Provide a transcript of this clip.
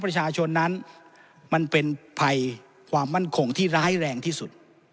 ประชาชนนั้นมันเป็นภัยความมั่นคงที่ร้ายแรงที่สุด